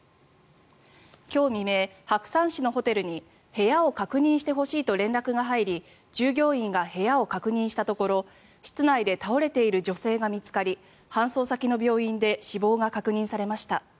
今日未明、白山市のホテルに部屋を確認してほしいと連絡が入り従業員が部屋を確認したところ室内で倒れている女性が見つかり搬送先の病院で死亡が確認されました。